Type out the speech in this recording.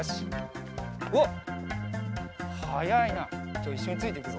じゃあいっしょについていくぞ。